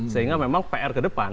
sehingga memang pr ke depan